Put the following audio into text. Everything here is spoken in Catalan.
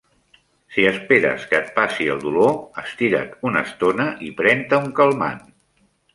Si esperes que et passi el dolor, estira't una estona i pren-te un calmant.